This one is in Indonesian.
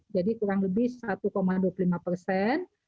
jadi kurang lebih satu dua puluh lima persen